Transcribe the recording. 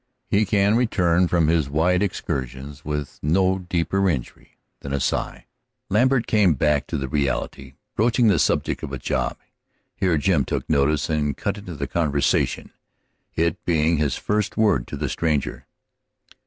He can return from his wide excursions with no deeper injury than a sigh. Lambert came back to the reality, broaching the subject of a job. Here Jim took notice and cut into the conversation, it being his first word to the stranger.